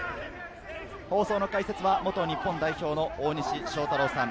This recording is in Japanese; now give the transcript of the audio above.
解説は元日本代表の大西将太郎さん。